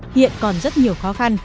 hiện còn rất nhiều khó khăn